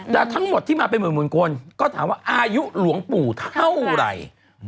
แต่ทั้งหมดที่มาเป็นหมื่นคนก็ถามว่าอายุหลวงปู่เท่าไหร่